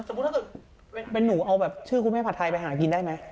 ถ้าเกิดเป็นหนูเอาแบบชื่อคุณแม่ผัดไทยไปหากินได้ไหม